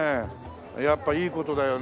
やっぱいい事だよね